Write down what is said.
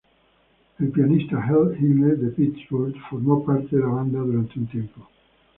El pianista Earl Hines, de Pittsburgh, formó parte de la banda durante un tiempo.